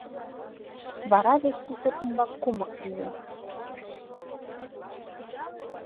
Вара вес сусыр ӱмбак кумык лие.